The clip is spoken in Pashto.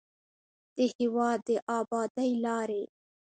د هېواد د ابادۍ لارې